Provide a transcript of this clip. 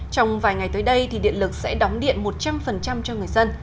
trong vài ngày tới đây thì điện lực sẽ đóng điện một trăm linh cho người dân